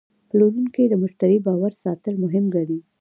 پلورونکی د مشتری باور ساتل مهم ګڼي.